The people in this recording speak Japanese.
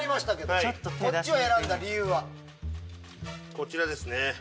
こちらですね。